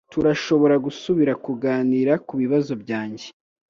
Turashobora gusubira kuganira kubibazo byanjye